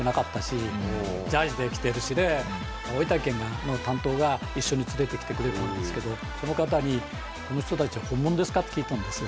大分県の担当が一緒に連れてきてくれるんですけどその方に「この人たちは本物ですか？」って聞いたんです。